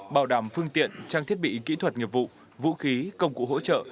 bảo đảm phương tiện trang thiết bị kỹ thuật nghiệp vụ vũ khí công cụ hỗ trợ